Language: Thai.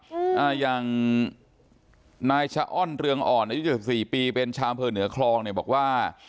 อืมอ่าอย่างนายชะอ้อนเรืองอ่อนอายุเจ็ดสิบสี่ปีเป็นชาวอำเภอเหนือคลองเนี่ยบอกว่า